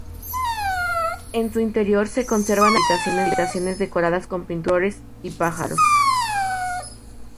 En su interior se conservan algunas habitaciones decoradas con pinturas de flores y pájaros.